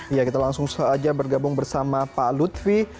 ya kita langsung saja bergabung bersama pak lutfi